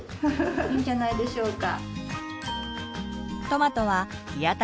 いいんじゃないでしょうか。